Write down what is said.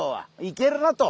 いけるなと。